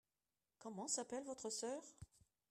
Comment s'appelle votre sœur ?